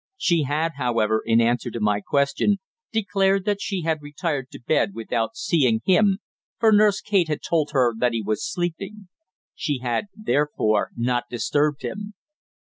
She had, however, in answer to my question, declared that she had retired to bed without seeing him for Nurse Kate had told her that he was sleeping. She had therefore not disturbed him.